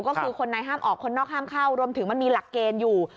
ก็คือคนในห้ามออกคนนอกห้ามเข้ารวมถึงมันมีหลักเกณฑ์อยู่